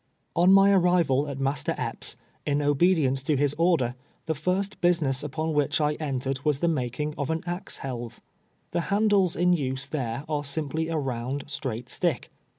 On' my arrival at Master Epps', in oLedience to liis order, the first business npon wliich I entered was tlio making of an axe lielve. The handles in nse tliere are simply a round, straight stick.